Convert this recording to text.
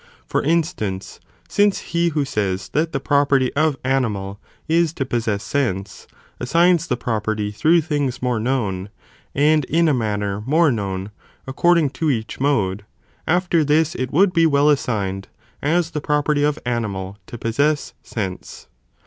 * For instance, since he who says that the property of animal is to possess sense, assigns the property through things more known, and in a manner more known, according to each mode, after this it would be well assigned, as the pro perty of animal to possess sense.